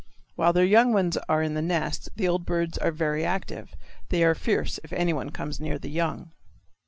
While their young ones are in the nest the old birds are very active. They are fierce if anyone comes near the young.